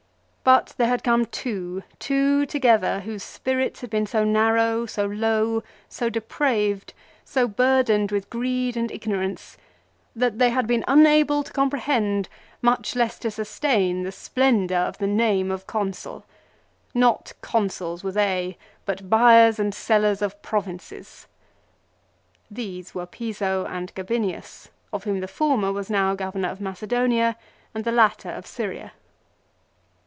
But there had come two, two together, whose spirits had been so narrow, so low, so depraved, so burdened with greed and ignorance "that they had been unable to comprehend, much less to sustain the splendour of the name of Consul. Not Consuls were they, but buyers and sellers of provinces." These were Piso and Gabinius of whom the former was now governor of Macedonia and the latter of Syria.